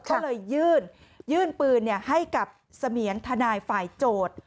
ก็เลยยื่นปืนให้กับเสมียนทนายฝ่ายโจทย์